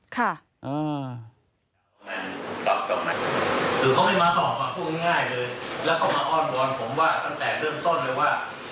คือเขาไม่มาสอบพูดง่ายเลยแล้วก็มาอ้อนวอนผมว่าตั้งแต่เริ่มต้นเลยว่า